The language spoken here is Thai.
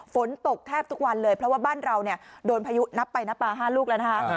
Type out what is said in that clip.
ฝนตกแทบทุกวันเลยเพราะว่าบ้านเราโดนพายุนับไปนับปลา๕ลูกแล้วนะคะ